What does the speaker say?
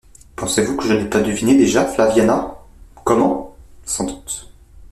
«Pensez-vous que je n'aie pas deviné déjà, Flaviana ? Comment ? Sans doute.